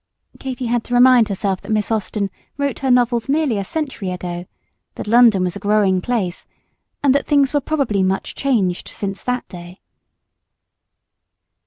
Katy had to remind herself that Miss Austen wrote her novels nearly a century ago, that London was a "growing" place, and that things were probably much changed since that day.